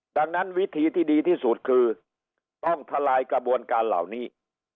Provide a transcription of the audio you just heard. ดังนั้นวิธีที่ดีที่สุดคือต้องทลายกระบวนการเหล่านี้